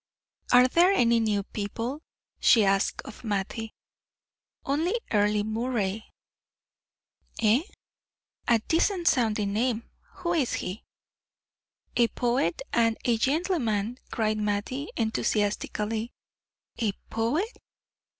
"Are there any new people?" she asked of Mattie. "Only Earle Moray." "Eh? A decent sounding name. Who is he?" "A poet and a gentleman," cried Mattie, enthusiastically. "A poet?